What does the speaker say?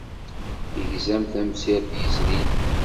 Tegzam tamsirt yezrin?